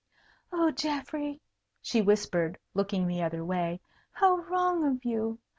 "Oh, Geoffrey!" she whispered, looking the other way, "how wrong of you!